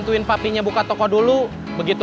tapi bukan apa itu